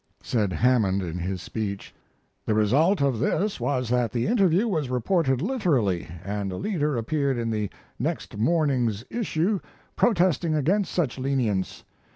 Said Hammond in his speech: "The result of this was that the interview was reported literally and a leader appeared in the next morning's issue protesting against such lenience.